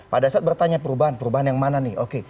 pada saat bertanya perubahan perubahan yang mana nih